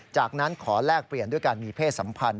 จากนั้นขอแลกเปลี่ยนด้วยการมีเพศสัมพันธ